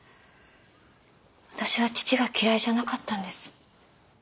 私は父が嫌いじゃなかったんです。